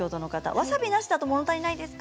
わさびなしでも問題ないですか？